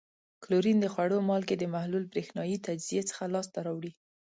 کلورین د خوړو مالګې د محلول برېښنايي تجزیې څخه لاس ته راوړي.